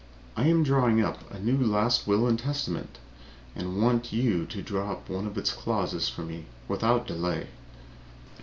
I am drawing up a new last will and testament, and I want you to draw up one of the clauses for me without delay."